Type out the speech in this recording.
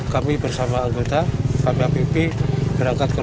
kami bersama anggota kpup berangkat ke luar